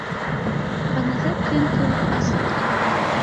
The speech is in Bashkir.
Быныһы көн кеүек асыҡ